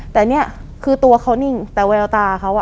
แต่เนี่ยคือตัวเขานิ่งแต่แววตาเขาอ่ะ